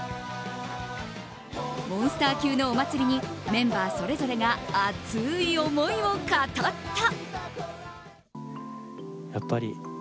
モンスター級のお祭りにメンバーそれぞれが熱い思いを語った。